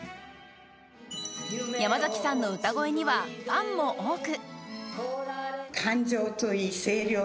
山崎さんの歌声にはファンも多く。